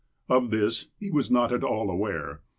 Of this he was not at all aware.